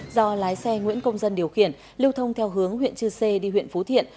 do lái xe nguyễn công dân điều khiển lưu thông theo hướng huyện chư sê đi huyện phú thiện